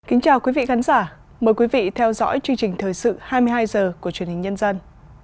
kính chào quý vị khán giả mời quý vị theo dõi chương trình thời sự hai mươi hai h của truyền hình nhân dân